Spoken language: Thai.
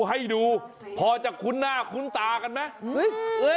ให้ดูพอจะคุ้นหน้าคุ้นตากันไหม